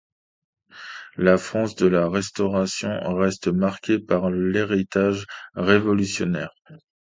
La France de la Restauration reste marquée par l'héritage révolutionnaire.